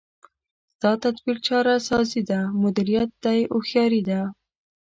ستا تدبیر چاره سازي ده، مدیریت دی هوښیاري ده